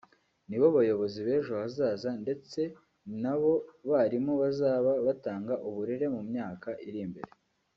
nibo bayobozi b’ejo hazaza ndetse ni nabo balimu bazaba batanga uburere mu myaka iri imbere